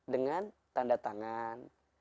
dengan tanda tangan